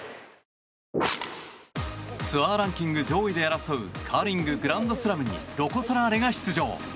ツアーランキング上位で争うカーリンググランドスラムにロコ・ソラーレが出場。